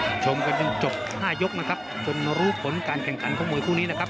ชมกันจนจบห้ายกนะครับจนรู้ผลการแข่งขันของมวยคู่นี้นะครับ